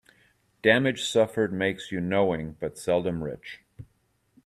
Damage suffered makes you knowing, but seldom rich.